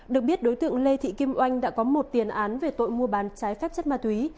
được biết đối tượng lê thị kim oanh đã có một tiền án về tội mua bán trái phép chất ma túy